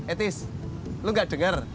etis lu nggak denger